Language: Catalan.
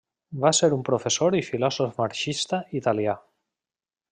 Va ser un professor i filòsof marxista italià.